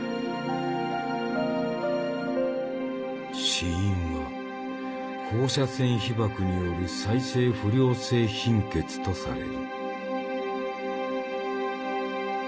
死因は放射線被ばくによる再生不良性貧血とされる。